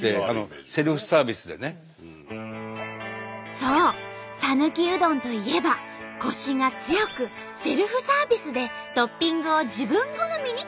そうさぬきうどんといえばコシが強くセルフサービスでトッピングを自分好みにカスタマイズ。